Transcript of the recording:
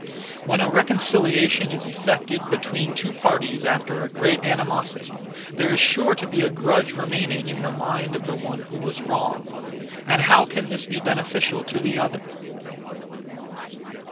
When a reconciliation is effected (between two parties) after a great animosity, there is sure to be a grudge remaining (in the mind of the one who was wrong). And how can this be beneficial (to the other)?